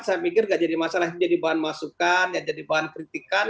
saya pikir tidak jadi masalah jadi bahan masukan jadi bahan kritikan